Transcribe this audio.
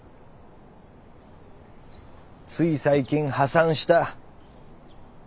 つい最近「破産」した。